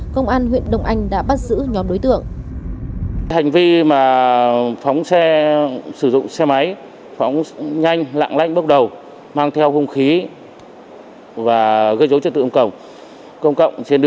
công an huyện đông anh đã bắt giữ nhóm đối tượng